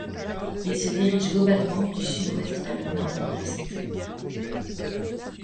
Il se dirige globalement du sud-ouest vers le nord-nord-est.